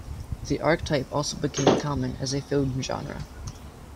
The archetype also became common as a film genre.